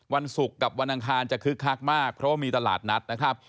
วันศุกร์กับวันอังคารจะคึกคักมากเพราะว่ามีตลาดนัดนะครับ